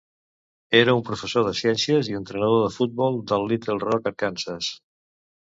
Era un professor de ciències i entrenador de futbol de Little Rock, Arkansas.